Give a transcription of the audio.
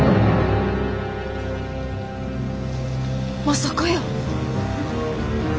まさかやー。